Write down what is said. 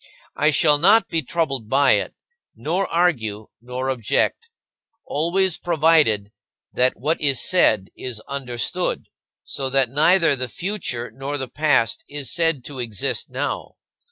I shall not be troubled by it, nor argue, nor object always provided that what is said is understood, so that neither the future nor the past is said to exist now.